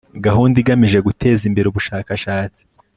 gahunda igamije guteza imbere ubushakashatsi